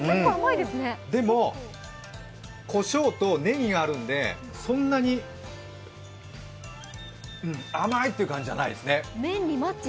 でも、こしょうとねぎがあるので、そんなに甘いって感じじゃないですね。